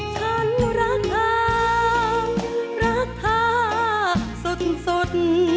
ฉันรักเธอรักเธอสด